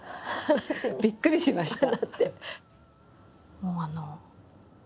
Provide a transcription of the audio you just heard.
びっくりしました。